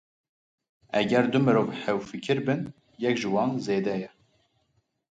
Eger du mirov hevfikir bin, yek ji wan zêde ye.